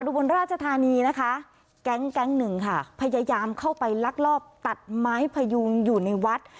บนราชธานีนะคะแก๊งแก๊งหนึ่งค่ะพยายามเข้าไปลักลอบตัดไม้พยุงอยู่ในวัด